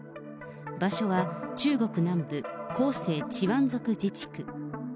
場所は、中国南部広西チワン族自治区。